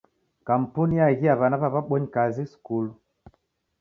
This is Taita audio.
Kampuni eaghia w'ana w'a w'abonyi kazi skulu.